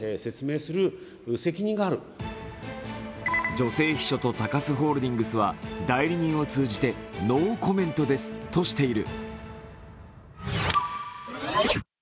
女性秘書と高須ホールディングスは代理人を通じてノーコメントですとしている。